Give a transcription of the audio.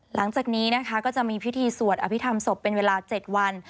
หลังจากนี้นะคะก็จะมีพิธีสวดอภิษฐรรมศพเป็นเวลา๗วัน